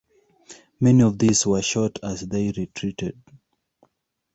Many of these were shot as they retreated.